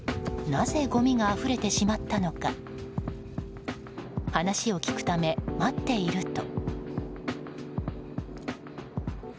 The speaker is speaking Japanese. なぜ、ごみがあふれてしまったのか話を聞くため、待っていると。